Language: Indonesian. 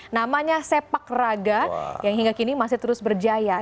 namanya sepak raga yang hingga kini masih terus berjaya